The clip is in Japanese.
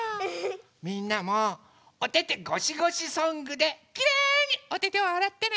みんなもおててごしごしソングできれにおててをあらってね。